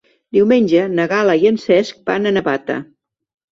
Diumenge na Gal·la i en Cesc van a Navata.